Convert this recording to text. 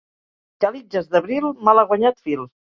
Calitges d'abril, malaguanyat fil.